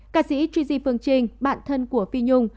ca sĩ chuji phương trinh bạn thân của phi nhung